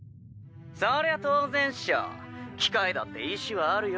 そりゃ当然っしょ機械だって意思はあるよ。